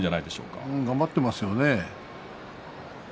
よく頑張ってますよね。